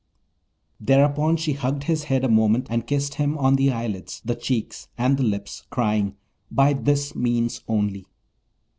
Thereupon she hugged his head a moment, and kissed him on the eyelids, the cheeks, and the lips, crying, 'By this means only!'